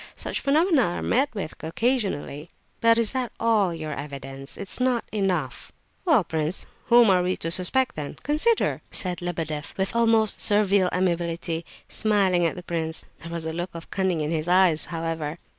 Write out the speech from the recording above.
Such phenomena are met with occasionally!" "But is that all your evidence? It is not enough!" "Well, prince, whom are we to suspect, then? Consider!" said Lebedeff with almost servile amiability, smiling at the prince. There was a look of cunning in his eyes, however.